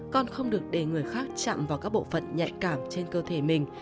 con không được để người khác chạm vào các bộ phận nhạy cảm trên cơ thể mình